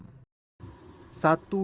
satu dasar warsa terakhir